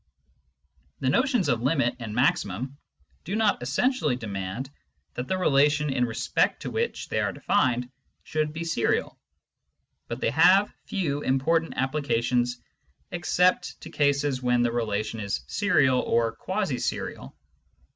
The notions of limit and maximum do not essentially demand that the relation in respect to which they are defined should be serial, but they have few important applications except to cases when the relation is serial or quasi serial.